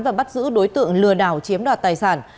và bắt giữ đối tượng lừa đảo chiếm đoạt tài sản